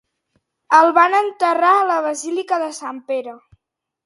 El van enterrar a la basílica de Sant Pere.